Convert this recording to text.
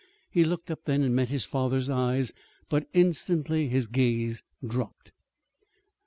He looked up then and met his father's eyes. But instantly his gaze dropped.